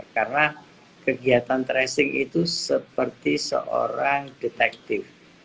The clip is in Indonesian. karena kegiatan tracing itu seperti seorang detektif